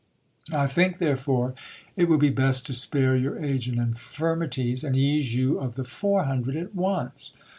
I think, therefore, it will be bestjo spare your age and infirmities, and ease you of the four hundred at once.